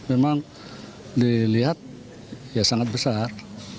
memang dilihat ya sangat besar